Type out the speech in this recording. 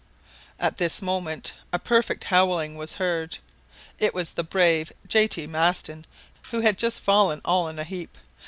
At this moment a perfect howling was heard; it was the brave J. T. Maston who had just fallen all in a heap.